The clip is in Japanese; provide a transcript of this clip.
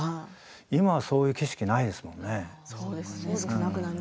今はそういう景色はないですもんね。